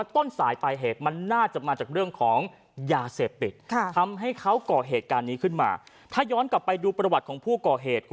ถ้าย้อนกลับดูปัจจุของผู้ก่อเหตุ